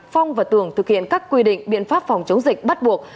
phong và tường thực hiện các quy định biện pháp phòng chống dịch bắt buộc